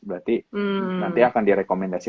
berarti nanti akan direkomendasi